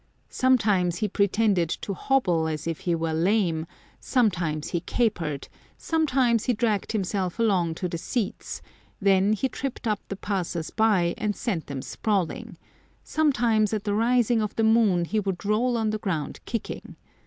" Sometimes he pretended to hobble as if he were lame, sometimes he capered, sometimes he dragged himself along to the seats, then he tripped up the passers by, and sent them sprawling ; sometimes at the rising of the moon he would roll on the ground kicking.